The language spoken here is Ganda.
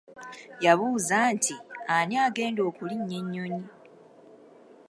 Yabuuza nti ani agenda okulinnya ennyonyi?